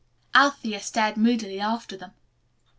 Althea stared moodily after them.